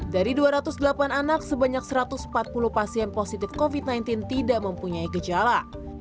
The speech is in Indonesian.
dari dua ratus delapan anak sebanyak satu ratus empat puluh pasien positif covid sembilan belas tidak mempunyai gejala